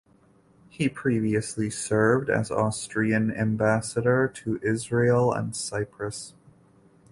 He previously served as Austrian Ambassador to Israel and Cyprus.